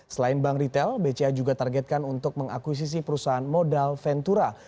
selain bank retail bca juga targetkan untuk mengakuisisi perusahaan modal ventura